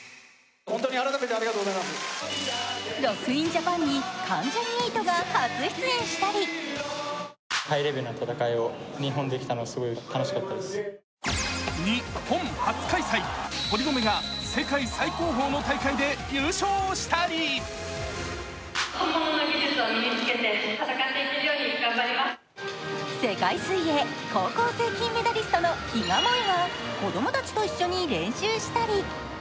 ＲＯＣＫＩＮＪＡＰＡＮに関ジャニ∞が初出演したり日本初開催、堀米が世界最高峰の大会で優勝したり世界水泳高校生金メダリストの比嘉もえは子供たちと一緒に練習したり。